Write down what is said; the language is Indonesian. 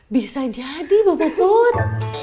bisa jadi bu puput